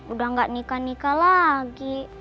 udah gak nikah nikah lagi